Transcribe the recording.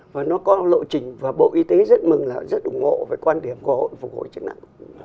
và nó có lộ trình và bộ y tế rất mừng là rất ủng hộ với quan điểm của hội phục hồi chức năng